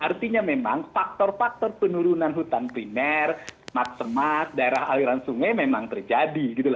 artinya memang faktor faktor penurunan hutan primer semak semak daerah aliran sungai memang terjadi